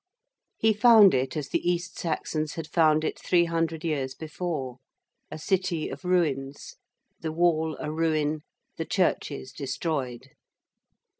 He found it as the East Saxons had found it three hundred years before, a city of ruins; the wall a ruin; the churches destroyed.